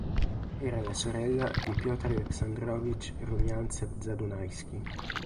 Era la sorella di Pëtr Aleksandrovič Rumjancev-Zadunajskij.